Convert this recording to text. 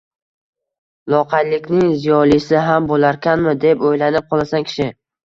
Loqaydlikning ziyolisi ham bo‘larkanmi deb o‘ylanib qolasan kishi.